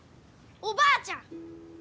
おばあちゃん！